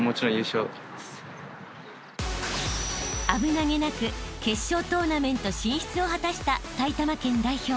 ［危なげなく決勝トーナメント進出を果たした埼玉県代表］